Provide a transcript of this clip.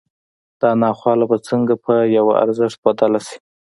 دا ناخواله به څنګه پر یوه ارزښت بدله شي